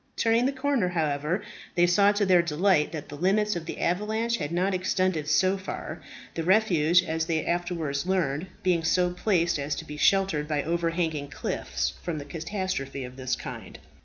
Turning the corner, however, they saw to their delight that the limits of the avalanche had not extended so far, the refuges, as they afterwards learned, being so placed as to be sheltered by overhanging cliffs from any catastrophe of this kind.